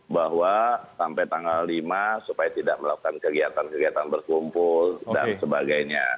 bahwa sampai tanggal lima supaya tidak melakukan kegiatan kegiatan berkumpul dan sebagainya